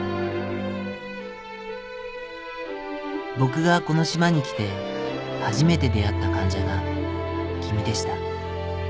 「僕がこの島に来て初めて出会った患者が君でした。